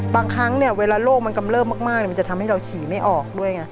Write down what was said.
บางครั้งเวลาโรคมันกำเลิศมากจะทำให้เราฉี่ไม่ออกด้วย